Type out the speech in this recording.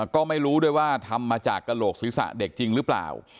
ก็ไม่รู้ด้วยว่าทำมาจากกระโหลกศีรษะเด็กจริงหรือเปล่า